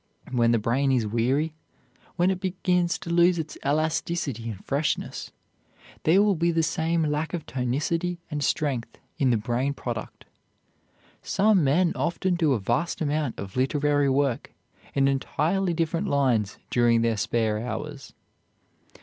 When the brain is weary, when it begins to lose its elasticity and freshness, there will be the same lack of tonicity and strength in the brain product. Some men often do a vast amount of literary work in entirely different lines during their spare hours.